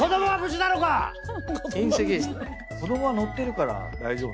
子どもは乗ってるから大丈夫。